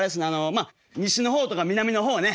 まあ西の方とか南の方ね。